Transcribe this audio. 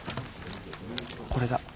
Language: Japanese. これだ。